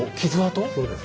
そうです。